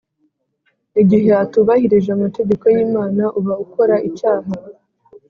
Igihe atubahirije amategeko y’Imana uba ukora icyaha